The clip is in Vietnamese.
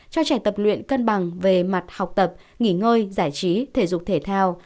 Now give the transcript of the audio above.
cho trẻ tập luyện cân bằng về mặt học tập nghỉ ngơi giải trí thể dục thể thao